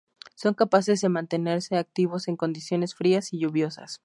Son capaces de mantenerse activos en condiciones frías y lluviosas.